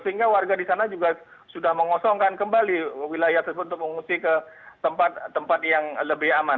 sehingga warga di sana juga sudah mengosongkan kembali wilayah tersebut untuk mengungsi ke tempat tempat yang lebih aman